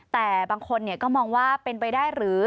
แต่บางคนก็มองว่าเป็นไปได้หรือ